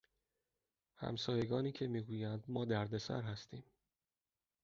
همسایگانی که می گویند ما دردسر هستیم